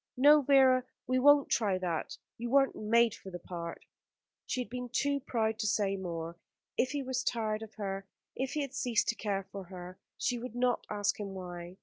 No, Vera, we won't try that. You weren't made for the part." She had been too proud to say more. If he was tired of her if he had ceased to care for her, she would not ask him why.